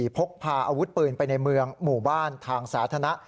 พกพาอาวุธปืนไปในเมืองหมู่บ้านทางสาธารณะ